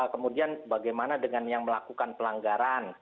kemudian bagaimana dengan yang melakukan pelanggaran